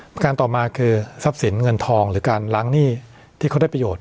ประการต่อมาคือทรัพย์สินเงินทองหรือการล้างหนี้ที่เขาได้ประโยชน